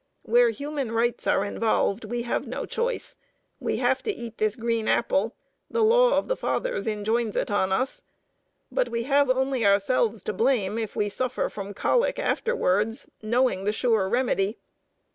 Where human rights are involved, we have no choice. We have to eat this green apple, the Law of the Fathers enjoins it on us, but we have only ourselves to blame if we suffer from colic afterwards, knowing the sure remedy.